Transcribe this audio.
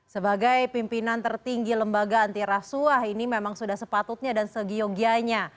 sebagai pimpinan tertinggi lembaga antirasuah ini memang sudah sepatutnya dan segiyogianya